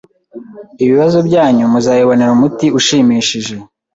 ibibazo byanyu muzabibonera umuti ushimishije.